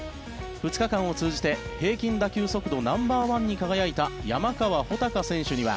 ２日間を通じて平均打球速度ナンバーワンに輝いた山川穂高選手には